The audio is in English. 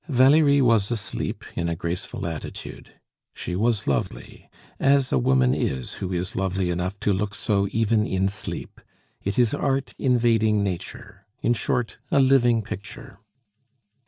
Valerie was asleep in a graceful attitude. She was lovely, as a woman is who is lovely enough to look so even in sleep. It is art invading nature; in short, a living picture.